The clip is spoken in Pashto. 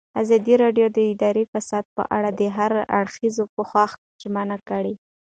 ازادي راډیو د اداري فساد په اړه د هر اړخیز پوښښ ژمنه کړې.